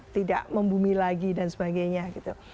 tidak membumi lagi dan sebagainya gitu